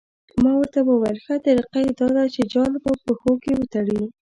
ما ورته وویل ښه طریقه یې دا ده چې جال په پښو کې وتړي.